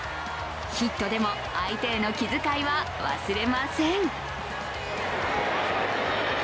ヒットでも相手への気遣いは忘れません。